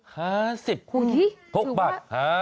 หูยหูย๖บาท๕๐